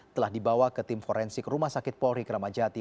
telah dibawa ke tim forensik rumah sakit polri kramajati